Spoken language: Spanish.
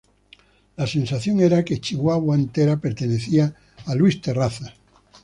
La sensación era que Chihuahua entera pertenecía a Luis Terrazas.